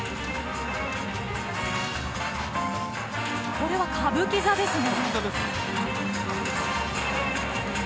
これは歌舞伎座ですね。